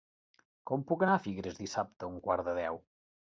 Com puc anar a Figueres dissabte a un quart de deu?